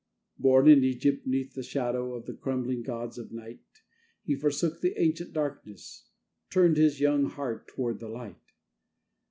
Born in Egypt, 'neath the shadow of the crumbling gods of night, He forsook the ancient darkness, turned his young heart toward the Light.